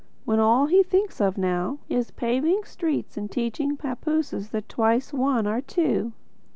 —when all he thinks of now is paving streets and teaching papooses that twice one are two!"